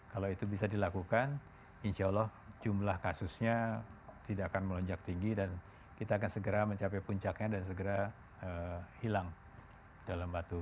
kalau itu bisa dilakukan insya allah jumlah kasusnya tidak akan melonjak tinggi dan kita akan segera mencapai puncaknya dan segera hilang dalam batu